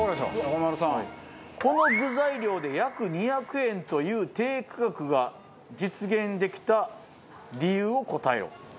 この具材量で約２００円という低価格が実現できた理由を答えよ。